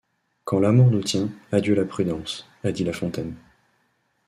Quand l’amour nous tient, adieu la prudence, a dit La Fontaine.